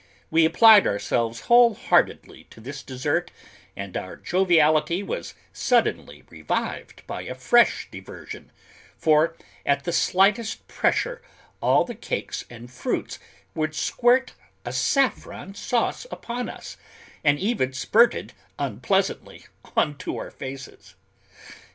We applied ourselves wholeheartedly to this dessert and our joviality was suddenly revived by a fresh diversion, for, at the slightest pressure, all the cakes and fruits would squirt a saffron sauce upon us, and even spurted unpleasantly into our faces.